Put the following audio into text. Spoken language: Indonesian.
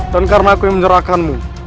dan karena aku yang menyerahkanmu